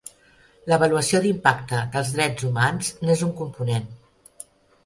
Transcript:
L'avaluació d'impacte dels drets humans n'és un component.